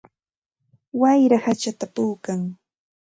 Wayra hachata puukan.